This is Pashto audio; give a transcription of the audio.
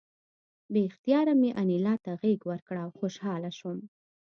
بې اختیاره مې انیلا ته غېږ ورکړه او خوشحاله شوم